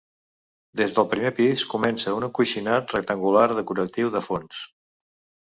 Des del primer pis comença un encoixinat rectangular decoratiu de fons.